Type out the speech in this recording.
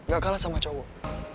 gak kalah sama cowok